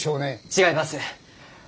違います。